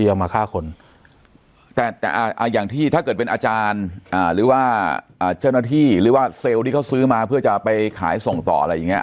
เอามาฆ่าคนแต่แต่อย่างที่ถ้าเกิดเป็นอาจารย์หรือว่าเจ้าหน้าที่หรือว่าเซลล์ที่เขาซื้อมาเพื่อจะไปขายส่งต่ออะไรอย่างเงี้